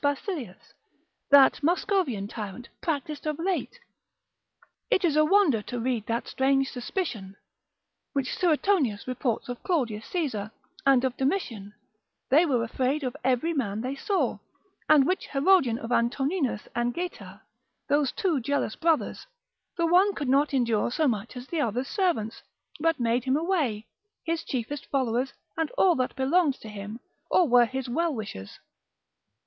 Basilius, that Muscovian tyrant, practised of late? It is a wonder to read that strange suspicion, which Suetonius reports of Claudius Caesar, and of Domitian, they were afraid of every man they saw: and which Herodian of Antoninus and Geta, those two jealous brothers, the one could not endure so much as the other's servants, but made away him, his chiefest followers, and all that belonged to him, or were his well wishers.